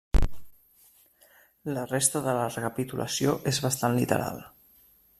La resta de la recapitulació és bastant literal.